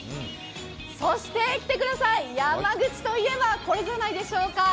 そして、来てください、山口といえばこれじゃないでしょうか。